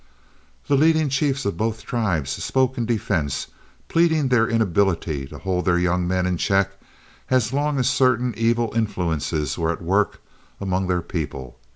The leading chiefs of both tribes spoke in defense, pleading their inability to hold their young men in check as long as certain evil influences were at work among their people.